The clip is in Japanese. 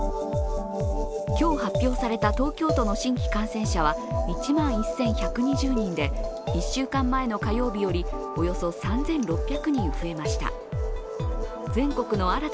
今日、発表された東京都の新規感染者は１万１１２０人で、１週間前の火曜日よりおよそ３６００人増えました。